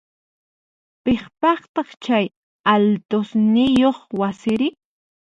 Piqpataq chay altosniyoq wasiri?